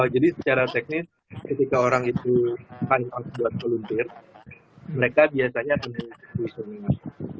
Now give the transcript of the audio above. jadi secara teknis ketika orang itu sudah tersebut mereka akan mendapatkan ujian atau tidak